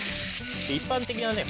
一般的なね